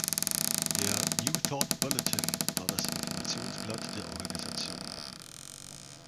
Der „New Thought Bulletin“ war das Informationsblatt der Organisation.